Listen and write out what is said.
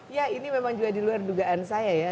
ya ini memang juga di luar dugaan saya ya